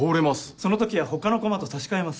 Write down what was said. その時は他のコマと差し替えます。